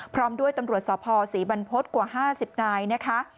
พร้อมด้วยตำรวจสภศรีบรรพฤษกว่า๕๐นายนะคะ